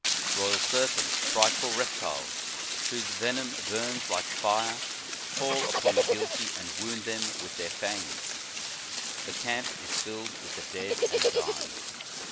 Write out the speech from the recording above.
Royal serpents, frightful reptiles whose ve nom burns like fire, fall upon the guilty and wound them with their fangs. The camp is tilled with the dead and dying.